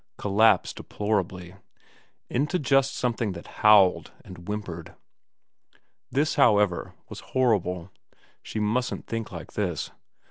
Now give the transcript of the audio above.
Collapse deplorably ; into just something that howled and whimpered. This, however, was horrible. She mustn't think like this.